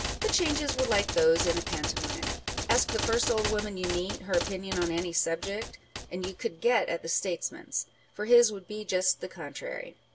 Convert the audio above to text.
The changes were like those in a pantomime. Ask the first old woman you meet her opinion on any subject, and you could get at the statesman's ; for his would be just the contrary.